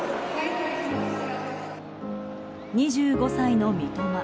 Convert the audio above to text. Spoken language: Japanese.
２５歳の三笘。